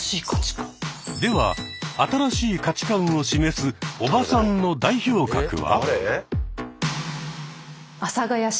では新しい価値観を示す「おばさん」の代表格は？